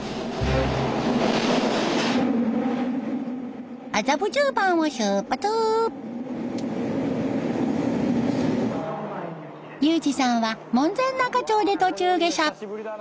ユージさんは門前仲町で途中下車。